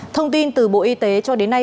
thông tin từ bộ y tế cho đến nay